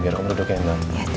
biar kamu duduk enak